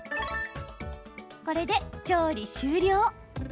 これで、調理終了。